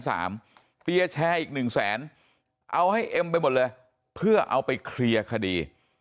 เชียร์แชร์อีกหนึ่งแสนเอาให้เอ็มไปหมดเลยเพื่อเอาไปเคลียร์คดี